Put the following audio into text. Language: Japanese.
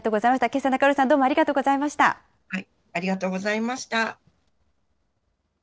けさは中村さん、どうもありがとうございました。